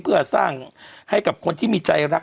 เพื่อสร้างให้กับคนที่มีใจรัก